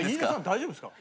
大丈夫ですか？